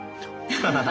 ハハハハ。